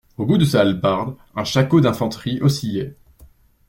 Au bout de sa hallebarde, un shako d'infanterie oscillait.